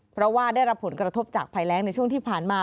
เพราะว่าได้รับผลกระทบจากภัยแรงในช่วงที่ผ่านมา